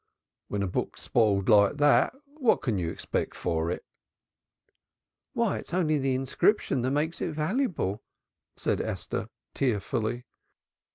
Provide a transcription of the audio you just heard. When a book's spiled like that, what can you expect for it?" "Why, it's the inscription that makes it valuable," said Esther tearfully.